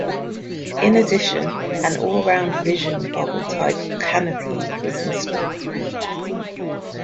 In addition, an all-round vision bubble-type canopy was installed.